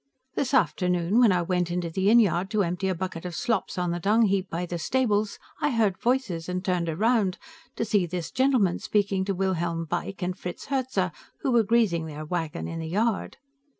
This afternoon, when I went into the inn yard to empty a bucket of slops on the dung heap by the stables, I heard voices and turned around, to see this gentleman speaking to Wilhelm Beick and Fritz Herzer, who were greasing their wagon in the yard.